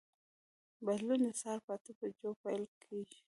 بدلون د سهار په اته بجو پیل کېږي.